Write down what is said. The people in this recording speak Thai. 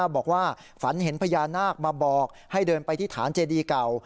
บอกว่าฝันเห็นพญานาคมาบอกให้เดินไปที่ฐานเจดีเก่า